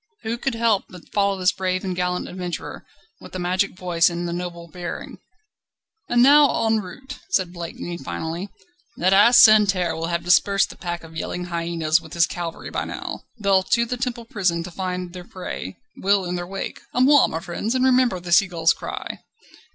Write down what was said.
Who could help but follow this brave and gallant adventurer, with the magic voice and the noble bearing? "And now en route!" said Blakeney finally, "that ass Santerre will have dispersed the pack of yelling hyenas with his cavalry by now. They'll to the Temple prison to find their prey; we'll in their wake. A moi, friends! and remember the sea gull's cry."